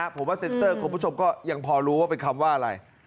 ผมว่าเซ็นเตอร์คุณผู้ชมก็ยังพอรู้ว่าเป็นคำว่าอะไร